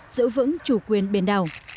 giữ vững chủ quyền bên đảo